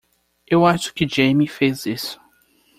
Eu acho que Jamie fez isso.